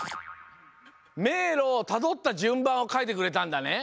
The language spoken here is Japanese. めいろをたどったじゅんばんをかいてくれたんだね。